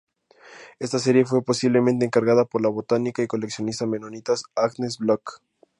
Esta serie fue posiblemente encargada por la botánica y coleccionista menonita Agnes Block.